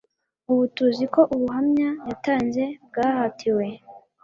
Ubu tuzi ko ubuhamya yatanze bwahatiwe